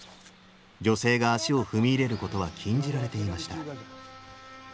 女性が足を踏み入れることは禁じられていました。